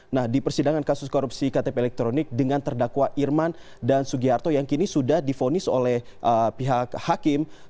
nah di persidangan kasus korupsi ktp elektronik dengan terdakwa irman dan sugiharto yang kini sudah difonis oleh pihak hakim